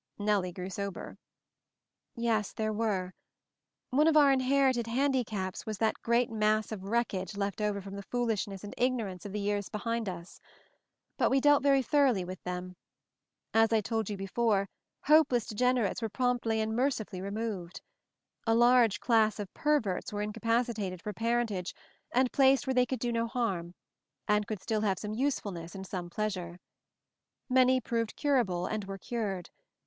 Nellie grew sober. "Yes, there were. One of our inherited handicaps was that great mass of wreckage left over from the foolishness and ignorance of the years be hind us. But we dealt very thoroughly with them. As I told you before, hopeless de generates were promptly and mercifully re moved. A large class of perverts were in capacitated for parentage and placed where MOVING THE MOUNTAIN 161 they could do no harm, and could still have some usefulness and some pleasure. Many proved curable, and were cured.